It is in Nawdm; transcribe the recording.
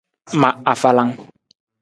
Ma afalang.